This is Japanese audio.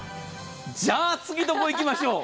じゃあ、次どこ行きましょう？